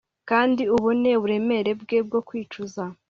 kandi ubone uburemere bwe bwo kwicuza